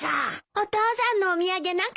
お父さんのお土産なかったの。